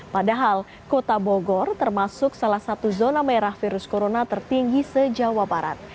padahal kota bogor termasuk salah satu zona merah virus corona tertinggi se jawa barat